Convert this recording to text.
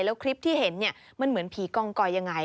แล้วคลิปที่เห็นมันเหมือนผีกองก้อยอย่างไร